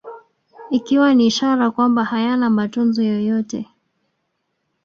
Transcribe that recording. Ikiwa ni ishara kwamba hayana matunzo yoyote